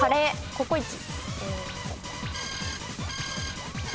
ココイチ。